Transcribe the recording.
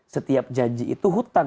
setiap janji itu hutang